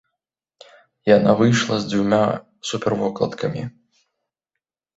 Яна выйшла з дзвюма супервокладкамі.